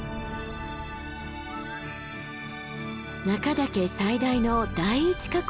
中岳最大の第一火口。